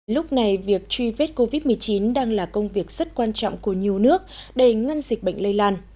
lúc này việc truy vết covid một mươi chín đang là công việc rất quan trọng của nhiều nước để ngăn dịch bệnh lây lan